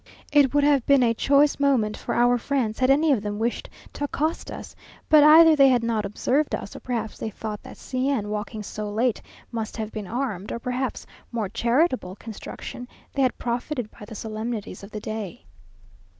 It would have been a choice moment for our friends, had any of them wished to accost us; but either they had not observed us, or perhaps they thought that C n walking so late must have been armed; or perhaps, more charitable construction, they had profited by the solemnities of the day.